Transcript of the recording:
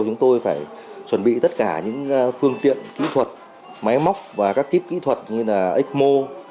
chúng tôi phải chuẩn bị tất cả những phương tiện kỹ thuật máy móc và các kíp kỹ thuật như là ecmo